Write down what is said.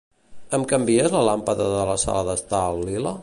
Em canvies la làmpada de la sala d'estar al lila?